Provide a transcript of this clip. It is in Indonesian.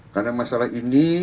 karena masalah ini